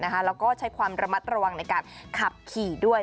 แล้วก็ใช้ความระมัดระวังในการขับขี่ด้วย